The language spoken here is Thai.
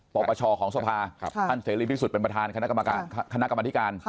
ปประชอของทรภาท่านเศรษฐ์ริมศุษย์เป็นประธานคณะกรรมธิการ